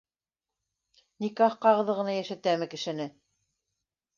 Никах ҡағыҙы ғына йәшәтәме кешене.